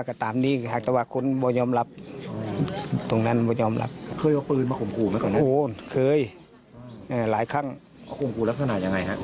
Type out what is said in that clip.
ข่มขุ่วลับขนาดยังไงค่ะ